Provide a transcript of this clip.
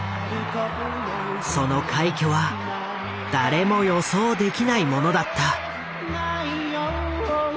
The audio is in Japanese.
その快挙は誰も予想できないものだった。